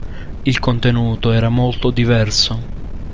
Il contenuto era molto diverso.